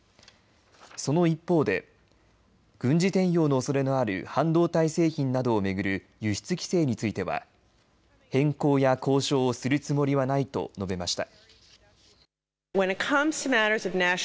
その一方で軍事転用のおそれのある半導体製品などを巡る輸出規制については変更や交渉をするつもりはないと述べました。